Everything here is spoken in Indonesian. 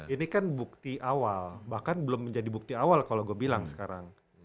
ini kan bukti awal bahkan belum menjadi bukti awal kalau gue bilang sekarang